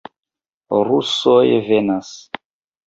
Rusoj venas!